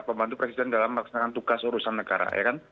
pembantu presiden dalam melaksanakan tugas urusan negara